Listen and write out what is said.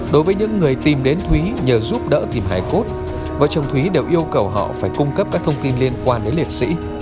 đối với những người tìm đến thúy nhờ giúp đỡ tìm hải cốt vợ chồng thúy đều yêu cầu họ phải cung cấp các thông tin liên quan đến liệt sĩ